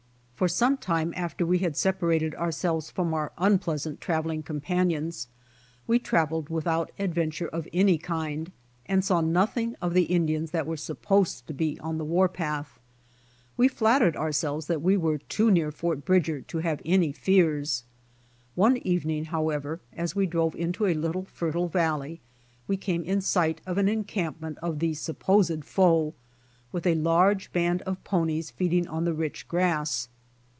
For some time after we had separated ourselves from our unpleasant traveling companions we trav eled without adventure of any kind, and saw nothing of the Indians that were supposed to be on the war path. We flattered ourselves that we were too near Fort Bridger to have any fears. One even ing, however, as we drove into a little fertile valley, we came in sight of an encampment of the supposed foe, with a large band of ponies feeding on the rich grass.